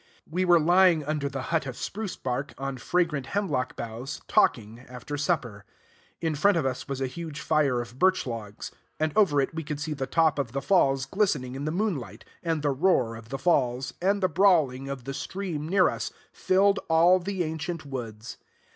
We were lying under the hut of spruce bark, on fragrant hemlock boughs, talking, after supper. In front of us was a huge fire of birchlogs; and over it we could see the top of the falls glistening in the moonlight; and the roar of the falls, and the brawling of the stream near us, filled all the ancient woods.